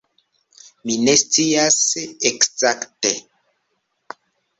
Mi ne scias ekzakte.